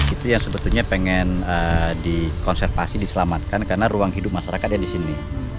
itu yang sebetulnya pengen dikonservasi diselamatkan karena ruang hidup masyarakatnya di sini